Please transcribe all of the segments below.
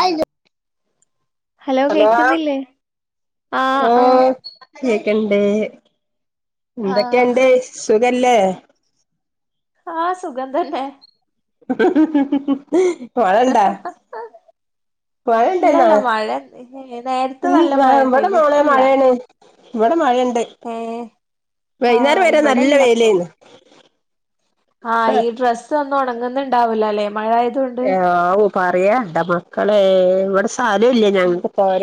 ആയിത് hello കേക്കുന്നില്ലേ ആഹ് ഓ ആഹ് കേക്കണ്ടേ എന്തൊക്കെയ ആഹ് ഉണ്ട് സുഖല്ലേ ആഹ സുഗം തന്നെ പോണണ്ടാ മഴ ഇണ്ടന്നാ ഇല്ലല്ല മഴ നേരത്തെ നല്ല മഴ ഇവിടെ ഉണ്ടായിരുന്നു പോള ഇപ്പല്ല മഴയാണ് ഇവിടെ മഴുണ്ട് ഏഹ് വൈുന്നേരം ആഹ് വരെ നല്ല ഇവിടെല്ല ഇപ്പൊ വേലന്ന് ആഹ് ഈ ഡ്രസ്സ് ഒന്നും ഉണങ്ങുന്നുണ്ടാവൂലല്ലേ പറയാണ്ട മക്കളെ ഇവിടെ സ്ഥലം ഇല്ലേ ഞങ്ങക്ക് പോര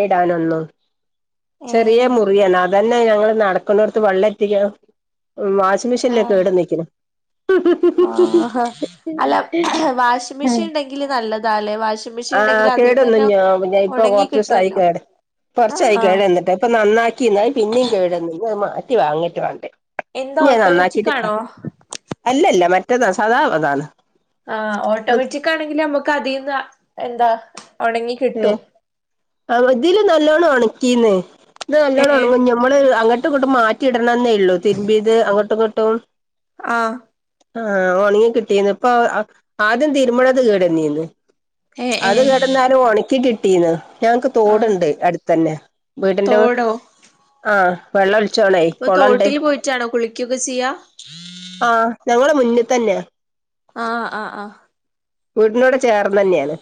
ചെറിയ ഏഹ് മുറിയാണ് എന്നന്നെ ഞങ്ങൾ നടക്കുന്നോർത്ത് വെള്ളം എത്തിക്ക വാഷിംഗ് മെഷീനിലക്കെ ഇട നൽക്കണം ആഹ അല്ല വാഷിംഗ മെഷീൻ ഉണ്ടെങ്കിൽ നല്ലതാല്ലെ വ വാഷിംഗ് മെഷീൻ ആഹ കേടൊന്ന ഞ ഇപ്പൊ ഉണങ്ങി കൊറ ദിവസയി കിട്ടുവല്ലോ കേട് കുറച്ചായി ആഹ് കേഴന്നിട്ട് ഇപ്പൊ നന്നാക്കിന്ന പിന്നെയും കേഴന്ന അത് മാറ്റി വാങ്ങിട്ട വേണ്ടേ എന്താ ഞാൻ ഓട്ടോമാറ്റിക് നന്നാക്കിടുക്കാം ആണോ അല്ലല്ല മറ്റന്നാ സാധാ ആഹ ഓട്ടോമാറ്റിക് ആണെങ്കിൽ നമ്മക്ക് അതിന്ന് എന്താ ഉണങ്ങി കിട്ടും ആ മതില് നല്ലോണം ഉണക്കീന്നേ ഇത് ഏഹ് നല്ലോണംാണ് ഞമ്മള് അങ്ങോട്ടും ഇങ്ങോട്ടും മാറ്റി ഇടണെന്നേ ഉള്ളൂ തിരുമ്പ ഇത് അങ്ങോട്ടും ഇങ്ങോട്ടും ആഹ ആഹ ഒണങ്ങി കിട്ടിയന്ന് ഇപ്പൊ ആദ്യം തിരുമ്മഴത് കേീടെന്നീന്ന് ഏഹ് അത് ഏഹ് കിടന്നാലും ഒണക്കി കിട്ടീന്ന് ഞങ്ങക്ക് ആഹ് തോടുണ്ട് അടുത്തന്നെ വീടിന്റെ തോടോ ആ വെള്ളം ഒഴിച്ച അപ്പൊ കോളണ്ട് തോട്ടിൽ പോയിട്ടാണോ കുളിക്കൊക്കെ ചെയ്യാ ഞമ്മള് മുന്നിൽ തന്നെയ ആഹ് ആഹ് ആഹ വീടിന കടെ ചേർന്ന് തന്നെയാണ്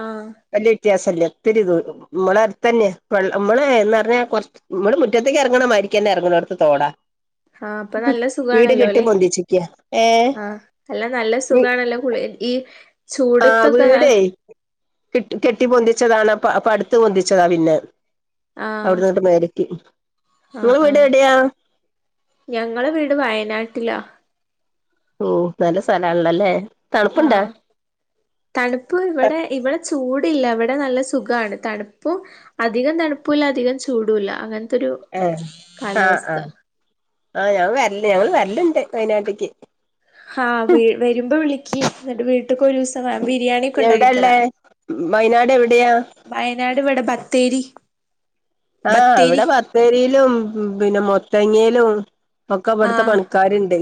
ആഹ് വല്യ വ്യത്യാസല്ലേ ത്തിരി നമ്മള അടുത്ത തന്നെെ നമ്മള എന്ന് പറഞ്ഞാ കുറ നമ്മുടെ മുറ്റത്തേക്ക് ഇറങ്ങണ മാരിക്ക തന്നെ ഇറങ്ങ തോടാ ആഹ് അപ്പൊ നല്ല വീട് കെട്ടി ബൊന്തിച്ചിക്ക ഏ ആഹ അല്ല നല്ല വീ സുഖമാണല്ലോ കുളി ഈ ചൂടുത്തൊക്കെ ന കിട്ടി കെട്ടി പൊന്തിച്ചതാണ് പ അ അടുത്തത്ത് പൊന്തിച്ചതാ പിന്നെ ആഹ് അവിടുന്നോട്ട് മത്തി ആഹ് നിങ്ങള് വീട് ആഹ് എവിടയാ ഞങ്ങളെ വീട് വയനാട്ടിലാ ഓ നല്ല സ്ഥലാല്ലല്ലേ ആഹ തണുപ്പ് ഇവിടെ ഇവിടെ ചൂടല്ല അവിടെ നല്ല സുഖമാണ് തണുപ്പും അധികം തണുപ്പല്ല അധികം ചൂടല്ല അങ്ങനെ അതൊരു ഏ കാലാവസ്ഥ ആഹ് ഞങ്ങ വരല്ല ഞങ്ങള്ൾ വരലുണ്ട് വയനാട്ടക്ക് ആഹ് വരുമ്പോ വിളിക്ക് എന്നിട്ട് വീട്ടക്ക് ഒരു ദിവസം ബിരിയാണിക്കേ എവിടാള്ളേ ഉണ്ടാക്കിത്തരാം വയനാട് എവിടെയാ വയനാട് ഇവിടെ ബ ത്തേരി ആഹ് അവിടെ ബത്തേരിയിലും പിന്നെ മുത്തങ്ങയിലും ഒക്കെ അവിടുത്തെ ആഹ് പണിക്കാരുണ്ട്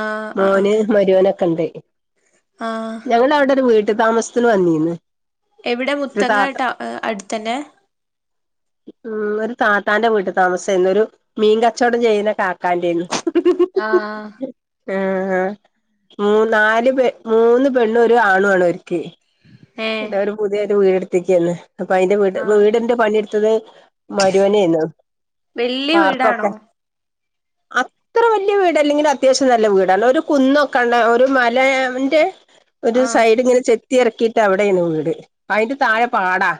ആഹ് ആഹ് ആഹ് മോന് മരുവനൊക്കെ ഉണ്ട് ആഹ് ഞങ്ങവിടെ ഒരു വീട്ടു താമസത്തിന് വന്നീന്ന് എവിടെ ഒരു താത്ത മുത്തങ്ങായിട്ടാ അടുത്തന്നെ ഉം ഒരു താത്താന്റെ വീട്ടിൽ താമസമായിരുന്നു ഒരു മീൻ കച്ചവടം ചെയ്യുന്ന കാക്കാന്റെ ആരുന്നു ആഹ് ആഹ് ആ ആ മൂ നാല് പെ മൂന്ന് പെണ്ണും ഒരു ആണും ആണ് ഓർക്ക് ഏഹ് എല്ല ഒരു പുതിയ ഒരു വീട്ടുത്തേക്കന്ന് അപ്പൊ അതിന്റെ വീട് ആഹ് വീടിന്റെ പണിയെടുത്തത് മരുവോനായിരുന്നു വല്യ വീടാണോ അ അത്ര വലിയ വീട് അല്ലെങ്കിൽ അത്യാവശ്യം നല്ല വീടാണ് ഒരു കുന്നൊക്കെണ്ട് ഒരു മലേന്റെ ഒരു ആഹ് സൈഡ് ഇങ്ങനെ ചെത്തി ഇറക്കിയിട്ട് അവിടെണ് വീട് അതിന്റെ താഴെ പാടാ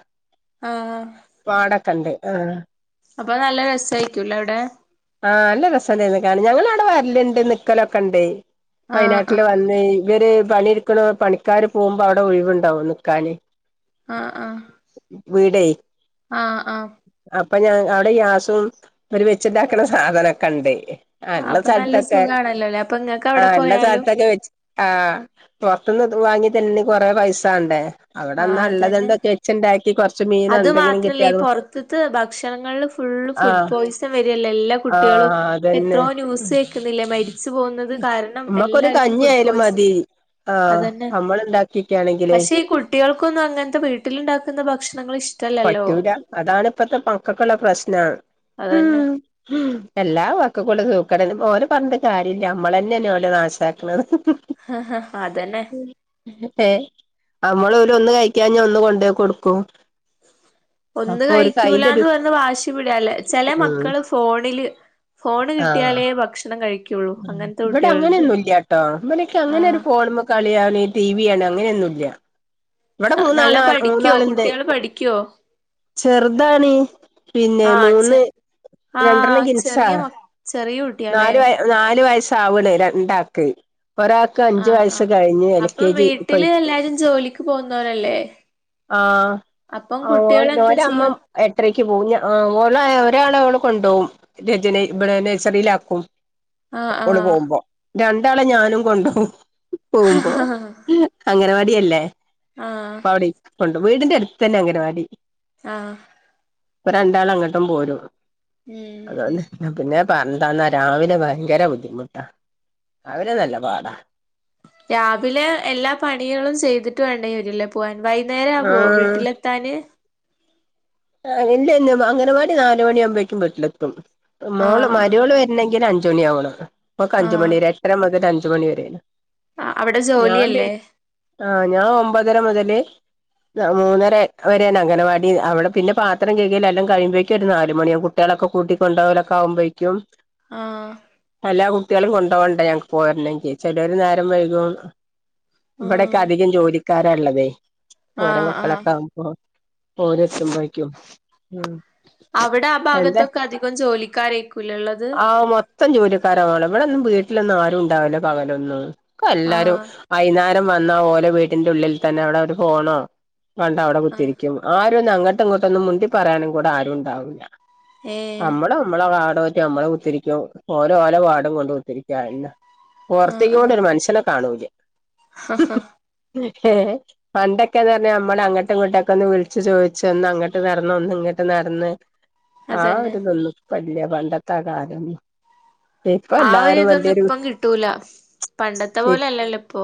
ആഹ് വാടക്കണ്ട് ആ അപ്പൊ നല്ല രസമായിയിരിക്കുല്ലോ അവിടെ ആഹ് നല്ല രസംണ്ടായിരുന്നു കാരണം ഞങ്ങള് അവിടെ വരലിണ്ട് നിക്കലൊക്കെ ഇണ്ടേ ആഹ് വയനാട്ടില് ആഹ് വന്ന് ഇവര് പണി ഇരിക്കണ് പണിക്കാാര് പോകുമ്പോ അവിടെ ഒഴിവുണ്ടാവും നിക്കാന് ആഹ് ആഹ് വീടേ ആഹ് ആഹ് അപ്പൊ ഞാ അവിടെ ഗ്യാസും അവര് വെച്ചുണ്ടാക്കണ സാധനമൊക്കെ ഉണ്ടേ ആ എല്ല അപ്പൊ നല്ല സ്ഥലത്തൊക്കെ സുഖാണല്ലോല്ലേ അപ്പൊ ഇങ്ങക്ക് അവിടെ ആഹ് എല്ലാ പോയാലും സ്ഥലത്തൊക്കെ വെച്ച് ആ പൊറത്തുന്ന് ഇത് വാങ്ങി തിന്നണേൽ കൊറെ പൈസ വേണ്ടേ ആഹ് അവിടെന്നാ ഉള്ളത് അതന്നെ എന്തൊക്കെ വെച്ച്ണ്ടാക്കി അത് മാത്രല്ലേ ഈ പുറത്ത്ത്തെ ഭക്ഷണങ്ങളില് ഫുള്ള് ഫുഡ് ആഹ് പോയിസൺ വ [unintelligible] എല്ലാ കുട്ടികളും ആഹ് അതന്നെ എത്രോ ഉം ന്യൂസ് കേക്കുന്നില്ലെ മ രിച്ചു പോകുന്നത് കാരണം നമ്മക്കൊരു എല്ലാർക്കും ഫുഡ് കഞ്ഞിയായാലും പോയിസൺ മതി ആഹ് അതന്നെ നമ്മള് ഇണ്ടാക്കിക്കാണെങ്കിലേ പക്ഷെ ഈ കുട്ടികൾക്കൊന്നും അങ്ങനത്തെ വീട്ടിലുണ്ടാക്കുന്ന ഭക്ഷ പറ്റൂല അതാണ് ഇപ്പത്തെ മക്കക്കുള്ള പ്രശ്നം മ് അതന്നെ മ്ഹ് എല്ലാ മക്കക്കും ഉള്ള സൂക്കേടാ ഓരോ പറഞ്ഞിട്ട് കാര്യമില്ല നമ്മളന്നന്നെണ് ഓരെ നാശക്കണത് ആഹ് ഹ അതന്നെ ഏഹ് നമ്മള് പോലും ഒന്ന് കഴിക്കാഞ്ഞ ഒന്ന് കൊണ്ടോയി കൊടുക്കും ഒന്ന് അപ്പൊ ഓര്ക്ക് അയിന്റെ ഒരു കഴിക്കൂലാന്ന് പറഞ്ഞു വാശി പിടല്ലേ ചില ഉം മക്കള് ഫോണില് ഫോണ് ആഹ് കിട്ടിയാലേ ഭക്ഷണം കഴി ഇവിടെ അങ്ങനെയൊന്നുംല്ലാട്ടോ ഇവനിക്ക് അങ്ങനെ ഒരു ആഹ് ഫോണുമ്മേ കളി അവന് ടിവിയാണ് അങ്ങനെയൊന്നുമല്ല ഇവിടെ മൂന്നാള നല്ലം പഠിക്കോ മൂന്നാള്ണ്ട് കുട്ടികള് പഠിക്കോ ചെറുതണെ പിന്നെ ആഹ് ചെ മൂന്ന് ആഹ് ചെറിയ മ ചെറിയ കു നാലു വയ നാലു വയസ്സ് ആവണേ രണ്ടാക്ക് ഒരാൾക്ക് അഞ്ചു ആഹ് വയസ് ആഹ് കഴിഞ്ഞു എൽ അപ്പം കെ ജി വീട്ടില് ഇപ്പഴു എല്ലാരും ജോലിക്ക് പോകുന്നോരല്ലേ ആഹ് അപ്പം ഒ കുട്ടികൾ എന്താ ഒരമ്മ ചെയ്യാ എട്ടരക്ക് പോകും ഞ ഓളെ ഒരാണ് ഓളെ കൊണ്ടു പോവും രചന ഇവിടെ നഴ്റിയിലാക്കും ആഹ് ഓള് ആഹ് പോകുമ്പോ രണ്ടാളെ ഞാനും കൊണ്ട് പോവും പോകുമ്പോ അങ്ങനവാടിയല്ലേ ആഹ് അപ്പ അവിടെ ഇരിപ്പണ്ട് വീടിന്റെ അടുത്ത് തന്നെ അംഗനവാടി ആഹ് ഇപ്പൊ രണ്ടാളും അങ്ങോട്ടും പോരും ഉം അത ഉം പിന്നെ പിന്നെ പറഞ്ഞതാന്ന് രാവിലെ ഭയങ്കര ബുദ്ധിമുട്ടാ രാവിലെ നല്ല പാടാ രാവിലെ എല്ലാ പണികളും ചെയ്തിട്ട് വേണ്ടേ ഉരിലെ പോകൻ വൈകുന്നേരം ആകുവോ വീട്ടിലെത്താന് ആ ഇല്ല അങ്ങനവാടി നാല മണിയ ആകുമ്പോേക്കും വീട്ടിലെത്തും മോള് ആഹ് ആഹ് മരവൾ വരണെങ്കിൽ അഞ്ചച് മണി ആകണം നമക്ക് അഞ്ചുമണി ആഹ് വരരെ എത്ര മുതൽ അഞ് അഞ്ചുമണി വരെണ് ആഹ് അവിടെ ഞാൻ പിൻ ജോലിയല്ലേ ആ ഞാൻ ഒമ്പത് മുര മുതൽ മൂന്നര വരെ അംഗനവാടി അവടെ പിന്നെ പാത്രംഴിയൽ എല്ലാം കഴിയ്പോഴക്കും ഒരു നാലുമണിയാകട്ടികളക്കെ കൂട്ടിക്ക കൊണ്ടപോലൊക്കെകുമ്പോഴക്കും ആ കുട്ടികളും കൊണ്ടോ കൊണ്ട ഞങ്ങക്ക് പോരുന്ന ചെയ്യ ചെലരു നേരം വൈക ഉം ഇവിടെയൊക്കെ അധികം ജോലി കാരള്ളതെ ഓര ആഹ് ആഹ് മക്കളൊക്കെ ആകുമ്പോ ഓര എത്തുമ്പോഴക്കും ഉം അവിടെ ആ എന്താ ഭാഗത്തൊക്കെ അധികം ജോലിക്കാരേക്കൂലേ ഉള്ളത് ആ മൊത്തം ജോലിക്കാരമാണം ഇവിടെ ഒന്നും വീട്ട ട്ടിൽ ഒന്നും ആരും ഉണ്ടാവല്ലോ പകലൊന്നും ആഹ് [unintelligible] വന്ന പോലെ വീട്ടന്റെ ഉള്ളിൽ തന്നെ അവിടെ ഒരു ഫോണോ കണ്ട അവിടെ ആഹ് കുത്തിരിക്കും ആരും അംഗ ങ്ങോട്ടൊന്നും മുണ്ടി പറയാനും കൂടെ ആരും ഉണ്ടാവൂല്ല ഏഹ് നമ്മള നമ്മള പറ്റ നമ്മള ഒത്തിരിക്കും ഓരോഓലോ വാർടും കൊണ്ട് കുത്തിരിക്കല്ല ഓർത്തിക്കോണ്ട് ഒരു മനഷ്യനെ കാണുല്ല ഹ ഹഹ ഏ പണ്ടൊക്കെന്ന് പറഞ്ഞാൽ നമ്മള അങ്ങട്ടുംങ്ങോട്ടൊക്കെ ഒന്ന് വിളിച്ചു ചോദിച്ചു പച്ച ഒന്ന് അങ്ങോട്ട് നടന്നു ഒന്ന് ഇങ്ങോട്ട് നടന്ന് ആ അതന്നെ ഒരു തോന്നും പള്ളിയ പണ്ടത്തെ കാലും ആ ഒരു ഇതൊന്നും ഇപ്പം കിട്ടൂല പണ്ടത്തെ ഈ പോലെ അല്ലല്ലോ ഇപ്പൊ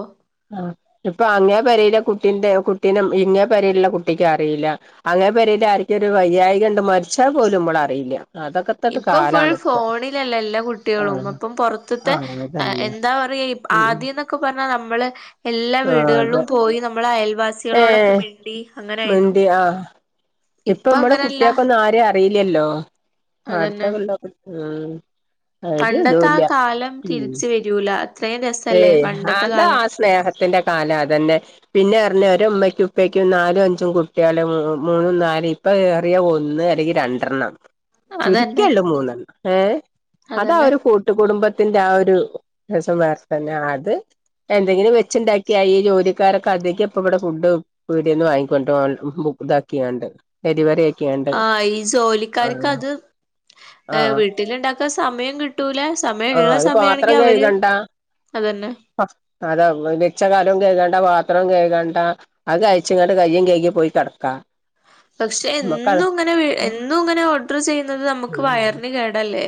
ആഹ് ഇപ്പൊ അങ്ങേ പരയിലെ കുട്ടിന്റെ കുട്ടീും ഇങ്ങേ പരയിലുള്ള കുട്ടിക്ക് അറിയില്ല അങ്ങനെ പരൽ ആർക്കും ഒരു വയ്യായി കണ്ടണ്ട് മരിച്ചാൽ പോലും നമ്മള അറിയില്ല അതൊക്കെത്തട്ട് ഇപ്പൊ ഫുൾ കാലാണ് ഇപ്പൊ ഫോണിലല്ല എല്ലാ കുട്ടികളും ആഹ് അപ്പം പുറത്തത്തെ ആഹ് അതല്ലേ എന്താ പറയാ ഉം ആദ്യം എന്നൊക്കെ പറഞ്ഞാൽ നമ്മള് എല്ലാ ആഹ് വീടുകളിലും അതെ പോയി നമ്മൾ അയ പ്രവാസികളോടൊക്കെ ഏഹ് വേണ്ടി അങ്ങനൊയിരുന്നു മിണ്ടി ആഹ് ഇപ്പൊ നമ്മടെ കുട്ടിയക്ക ഒന്നും ആരെയ അറിയില്ലല്ലോ അതന്നെ അടുത്തള്ള ഉം ആ പണ്ടത്തെ ആ ഇതല്ല കാലം തിരിച്ച് വരൂല അത്രയും രസല്ലേ ഏയ് പണ്ടത്തെ അന്താ ആ കാലം സ്നേഹ ന്റെ കാലം അത തന്നെ പിന്നെ പറഞ്ഞ ഒരു അമ്മയ്ക്കും ഉപ്പക്കും നാലും അഞ്ചും കുട്ടികൾ മൂന്നും നാല് ഇപ്പ എറിയ ഒന്ന് അല്ലെങ്കിൽ രണ്ടെണ്ണം അതന്നെ ചുരുക്കള്ളൂ മൂന്നെണ്ണം ഏ അതാ അതന്നെ ഒരു കൂട്ടുകടുംബ ത്തിന്റെ ആ ഒരു രസം വാർഥന ആത് എന്തെങ്കിലും വെച്ചുണ്ടാക്കിയാ ഈ ജോലിക്കാരൊക്കെ അത ഇപ്പ ഇവിടെ ഫുഡ് പിടികന്ന് വാങ്ങിക്കോണ്ട ഇതാക്കിയാണ്ട് ഇരിവരെ ആ ഈ ജോലിക്കാർക്ക് അത് ഏർ ആഹ് വീട്ടിലുണ്ടാക്കാൻ സമയം കിട്ടൂല സമയം ഉള്ള സമയ ആണെങ്കി അവര് അതന്നെ അത മിച്ചകാലം കേഴക്കേണ്ട വാർ പത്രം കഴുകണ്ടാ അത് കഴിച്ചങ്ങട്ട് കയ്യും കഴുകി പോയി കിടക്കാ പക്ഷെ നമ്മക്കത് എന്നും ഇങ്ങനെ എന്നും ഇങ്ങനെ ഓർഡർ ചെയ്യുന്നത് നമ്മുക്ക് വയറിന് കേടല്ലേ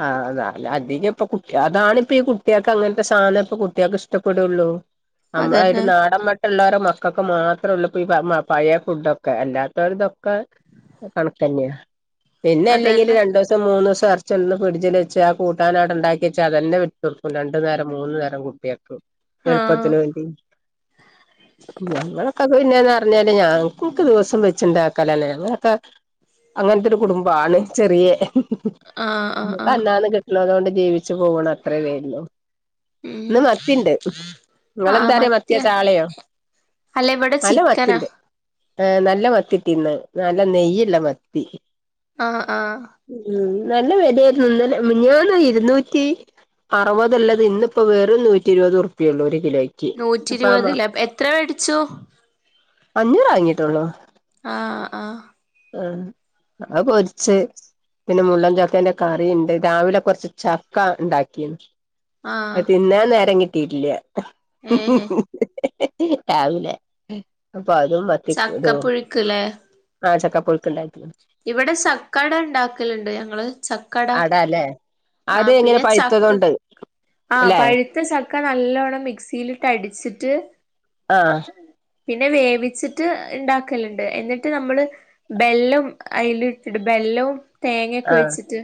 ആ അല്ല അധികം ഇപ്പട്ട അതാണിപ്പ ഈ കുട്ടികൾക്ക് അങ്ങനത്തെ സാധനം ഇപ്പൊ കുട്ടികൾക്ക് ഇഷ്ടപ്പെടള്ളു ര് അതന്നെ നാടൻ മട്ടുള്ളവ മ മക്കൾക്ക് മാത്രമ ഉള്ള ഇപ്പൊ പഴയ ഫുഡൊക്കെ അല്ലാത്തവരി ഇതൊക്കെ കണക്ക തന്നെയാ പിന്നെ അല്ലെങ്കിൽ അതന്നെ രണ്ടു ദിവസം മൂന്നു ദിവസം ചന്ന് പിടിച്ചൽ വെച്ച് ആ കൂട്ടാനാട്ണ്ടാക്കി വെച്ച് അതെ വിട്ടുർക്കും രണ്ടു നേരം മൂന്നു നേരം കുട്ടികൾക്കും ആഹ് എളുപ്പത്തിന് വേണ്ടി ഞങ്ങളൊക്കെ പിന്നെ പറഞ്ഞല് ഞങ്ങക്ക് ദിവസം വെച്ചിണ്ടാക്കലന്ന ഞങ്ങക്ക അങ്ങനത്തെ ഒരു കുടുംബാണ് ചെറിയ ആഹ് ആഹ് നമുക്ക് ആഹ് അന്നന്ന് കിട്ടണ അതുകൊണ്ട് ജീവിച്ചു പോവണം അത്രേ വേള്ളോ ഉം ഇന്ന് മത്തിയണ്ട് ആഹ് നിങ്ങളെന്തറ മത്തിയോ മത്തിയ ചാളയോ അല്ല ഇവിടെ ചിക്കനാ ഏഹ് നല്ല മത്തിട്ടി ഇന്ന്. നല്ല നെയ്യ്ള്ള മത്തി ആഹ് ആഹ്. ഉം നല്ല വെലയായിരുന്നു ഇന്നലെ മിനിഞ്ഞാന്ന് ഇരുന്നൂറ്റി അറുപത് ഉള്ളത് ഇന്ന് ഇപ്പം വെറും നൂറ്റി ഇരുപത് റുപ്പിയേയുള്ളൂ ഒരു കിലോയ്ക്ക് നൂറ്റി അപ്പ ഇരുപത് ഇല്ലേ, എ എത്ര വേടിച്ചു? അഞ്ഞൂറേ വാങ്ങീട്ടുള്ളൂ. ആഹ് ആഹ്. ആഹ് അത് പൊരിച്ച്. പിന്നെ മുള്ളൻ ചക്കേന്റെ കറീണ്ട് രാവിലെ കൊറച്ച് ചക്ക ഇണ്ടാക്കിയത്. ആഹ് അത് തിന്നാൻ നേരം കി ഏഹ് [unintelligible] രാവിലെ. അപ്പ അതും മത്തി [unintelligible] ചക്കപ്പുഴുക്ക്ല്ലേ ആഹ് ചക്ക പുഴുക്ക് ഇണ്ടാക്കിന്. ഇവിടെ സക്ക അട ഇണ്ടാക്കലുണ്ട് ഞങ്ങള്. ചക്കട അട അല്ലേ. ആഹ് പിന്നെ ചക്കക് ആഹ് അല്ലെ പഴ്ത്ത ചക്ക നല്ലവണ്ണം മിക്സിയില്ട്ട് അടിച്ച്ട്ട് ആഹ് പിന്നെ വേവിച്ചിട്ട് ഇണ്ടാക്കല്ണ്ട് എന്നിട്ട് നമ്മള് ബെല്ലം അയ്ല് ഇട് ബെ ബെല്ലവും തേങ്ങെയൊക്കെ ആഹ് വെച്ചിട്ട്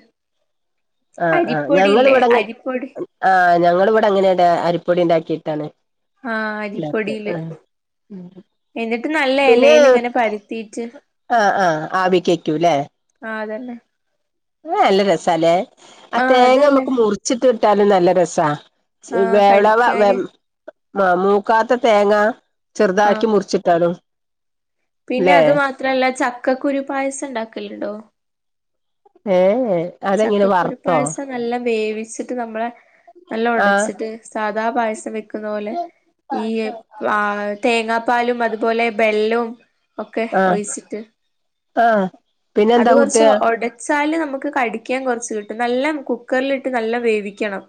ആഹ് ആഹ് അരിപ്പൊടിയില്ലേ ഞങ്ങിളിവിടെങ്ങ് അരിപ്പൊടി ആഹ് ഞങ്ങൾ ഇവിടെ അങ്ങനെയല്ലാ അരി പ്പൊടി ണ്ടാക്കീട്ടാണ് ആഹ് അരിപ്പൊടീല് ഉം പിന്നേ ഇങ്ങനെ പരത്തീട്ട് ആഹ് ആഹ് ആവിക്കെറ്റൂലേ ആഹ് അതെന്നെ നല്ല രസാല്ലേ ആ ആഹ് അത് തേങ്ങ നമ്ക്ക് നല്ലതാ മുറിച്ച്ട്ട് വിട്ടാലും നല്ല രസാ ച് ആഹ് വെടവ വെ കടിക്കാന് ആഹ് മൂക്കാത്ത തേങ്ങ ആഹ് ചെർതാക്കി മുർച്ചിട്ടാലും പിന്നെ അത് മാത്രല്ല ചക്കക്കുരു പായസം ണ്ടാക്കല്ണ്ടോ ഏഹ് ഏഹ് അതെങ്ങനെ വറുത്തോ ചക്കക്കുരുപ്പായസം നല്ല വേവിച്ച്ട്ട് നമ്മളെ നല്ല ആഹ് ഒടച്ച്ട്ട് സാധാ പായസം വെക് ക്കുന്ന പോലെ ഈ ആഹ് തേങ്ങാപ്പാലും അതുപോലെ ബെല്ലവും ഒക്കെ ആഹ് ഒയിച്ചിട്ട് ആഹ് അത് പിന്നെന്താ കൊർച്ച് കൂട്ടാ ഒടച് ത്താൽല് നമ്ക്ക് കടിക്ക്യാൻ കൊറച്ച് കിട്ടും നല്ല കുക്കർല്ട്ട് നല്ല വേവിക്കണം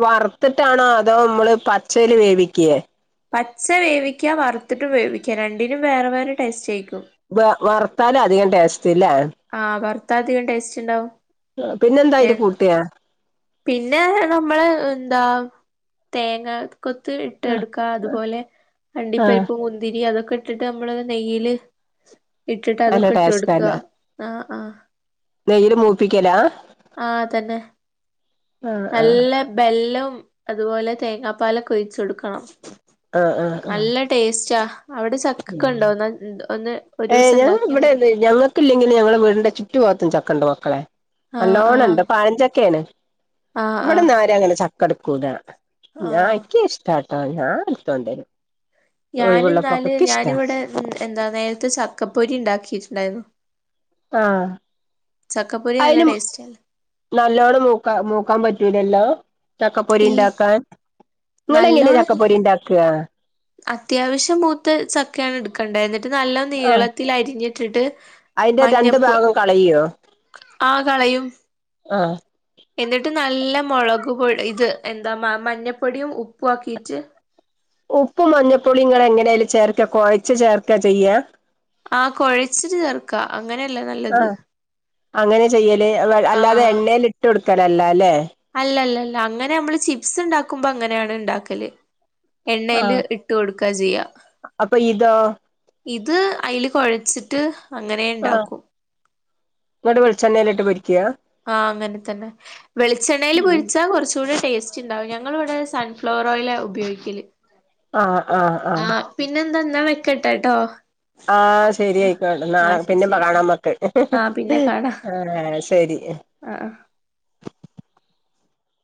വർത്ത്ട്ടാണോ അതോ മ്മള് പച്ചയില് വേവിക്കേ പച്ച വേവിക്ക്യാ വർത്ത്ട്ടും വേവിക്ക്യാ രണ്ടിനും വേറെ വേറെ ടേസ്റ്റായിക്കും വെ വർത്താലാ അധികം ടേസ്റ്റ് ലേ ത്താ അധികം ടേസ്റ്റ്ണ്ടാവും പിന്നെന്താ അയ്ല് കൂട്ടിയാ പിന്നെ നമ്മള് എന്താ തേങ്ങാ കൊത്ത് ഇട്ടെടുക്ക അതുപോലെ അണ്ടിപ്പരിപ്പ്, മുന്തിരി അതു ക്കെട്ട് ട്ട് നമ്മള് നെയ്യ്ല് ഇട്ടിട്ട് നല്ല അതൊക്കെ ഇട്ട് കൊടുക്ക ആ ആ നെയ്യ്ല് മൂപ്പിക്കലാ ആ തെന്നെ ആഹ് ആഹ് നല്ല ബെല്ലം അതുപോലെ തേങ്ങാപ്പാലൊക്കൊഴിച് കൊടുക്കണം നല്ല ടേസ്റ്റാ അവിടെ ചക്കൊക്കെ ഉണ്ടോ ഒന്ന് ഒന്ന് ഒരു ഏ ദിവസം ഞങ്ങ ഉണ്ടാക്കിയാൽ മതി ഇവടെവെടെല്ല ഞങ്ങൾക്ക്ല്ലെങ്കിലും ഞങ്ങടെ വീടിന്റെ ചുറ്റു ഭാഗത്തും ച ക്കണ്ട് മക്കളെ ആഹ് നല്ലോണം ണ്ട് ആഹ് പയഞ്ചക്കേണ് ആഹ് ആഹ് ഇവിടൊന്നാരും അങ്ങനെ ച ക്ക ട്ക്കൂലാ ഞാൻ ആഹ് ക്ക് ഇഷ്ടാട്ടോ ഞാൻ ട്ത്തൊണ്ടരും ഞാൻ ന്നാല് ഞാനിവിടെ എന്താ നേരത്തെ ചക്കപ്പൊരി ണ്ടാക്കിയിട്ടുണ്ടായിരുന്നു ആ ചക്കപ്പൊരി നല്ല ടേസ്റ്റ് നല്ലവണ്ണം നോക്കാ നോക്കാൻ പറ്റൂലല്ലോ ചക്കപ്പൊരി ഇൽ ഉണ്ടാക്കാൻ നിങ്ങളങ്ങനെ നല്ലോണല്ല ചക്കപ്പൊരി ഉണ്ടാക്കുക അത്യാവശ്യം മൂത്ത ചക്കയാണ് എടുക്കേണ്ടത് എന്നിട്ട് നല്ല ആഹ് നീളത്തിൽ അരിഞ്ഞിട്ടിട്ട് അയിന്റെ രണ്ട് മഞ്ഞപ്പ് ഭാഗം കളയോ ആ കളയും ആഹ് എന്നിട്ട് നല്ല മുളക് പൊടി ഇത് എന്താ മഞ്ഞപ്പൊടിയും ഉപ്പും ആക്കീട്ട് ഉപ്പ് മഞ്ഞപ്പൊടിയും ഇങ്ങള് എങ്ങനെലും ചേർക്ക കുഴച്ച ചേർക്ക ചെയ്യാ ആഹ കുഴച്ചിട്ട് ചേർക്കാ അങ്ങനെയല്ലേ നല്ലത് ആഹ് അങ്ങനെ ചെയ്യല് അല്ലാതെ ആഹ് എണ്ണയിൽ ഇട്ട് കൊടുക്കലല്ല അല്ലേ അല്ലല്ലല്ല അങ്ങനെ നമ്മള് ചിപ്സ് ഉണ്ടാക്കുമ്പോ അങ്ങനെയാണ് ഉണ്ടാക്കല് എണ്ണയില് ആഹ് ഇട്ടു കൊടുക്കാ ചെയ്യ അപ്പൊ ഇതോ ഇത് അയിൽ കുഴച്ചിട്ട് അങ്ങനെ ഇണ്ടാക്കും ഇങ്ങോട്ട് വെളിച്ചെണ്ണയിലിട്ട് പൊരിക്കും ആഹ അങ്ങനെ തന്നെ വെളിച്ചെണ്ണയിൽ ഉം പൊരിച്ചാ കുറച്ചൂടി ടേസ്റ്റ് ഉണ്ടാവും ഞങ്ങളിവിടെ സൺഫ്ലവർ ഓയിലാ ഉപയോഗിക്കല് ആഹ ആഹ് ആഹ് എന്നാ വെക്കട്ടെട്ടോ ആഹ ശെരിയായിക്കോട്ടെ നാ ആഹ് ശരി പിന്നെ ശരി കാണാമക്ക് ആഹ് ആ ശരി ആഹ